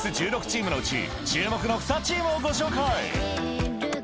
１６チームのうち注目の２チームをご紹介